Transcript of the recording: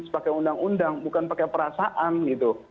sebagai undang undang bukan pakai perasaan gitu